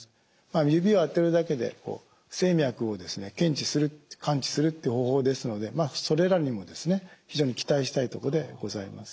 指をあてるだけで不整脈を検知する感知するっていう方法ですのでそれらにも非常に期待したいとこでございます。